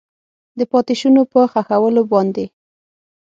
د پاتې شونو په ښخولو باندې